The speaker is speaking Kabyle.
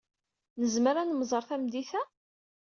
Nezmer ad nemẓeṛ tameddit-a?